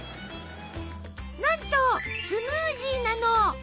なんとスムージーなの。